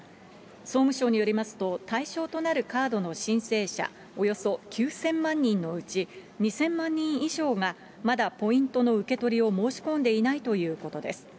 総務省によりますと、対象となるカードの申請者、およそ９０００万人のうち、２０００万人以上がまだポイントの受け取りを申し込んでいないということです。